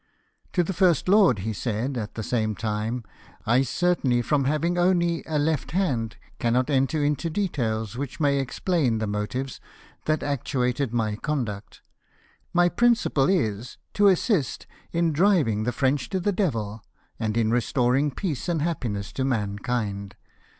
To the First Lord he said, at the same time, " I certainly, from having only a left hand, cannot enter into details which may explain the motives that actuated my conduct. My principle is, to assist in driving the French to the devil, and in restoring peace and happiness to mankind.